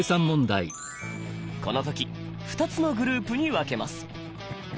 この時２つのグループに分けます。